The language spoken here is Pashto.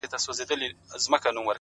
ریښتینی ملګری په سختۍ پېژندل کېږي.!